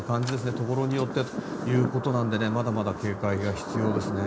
ところによってということなのでまだまだ警戒が必要ですね。